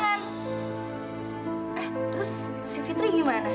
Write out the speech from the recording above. lalu gimana dengan fitri